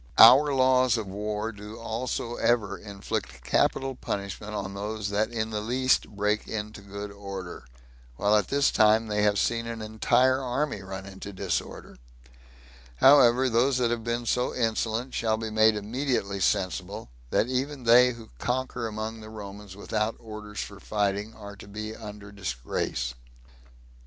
Our laws of war do also ever inflict capital punishment on those that in the least break into good order, while at this time they have seen an entire army run into disorder. However, those that have been so insolent shall be made immediately sensible, that even they who conquer among the Romans without orders for fighting are to be under disgrace."